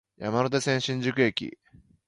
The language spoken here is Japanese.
山手線、新宿駅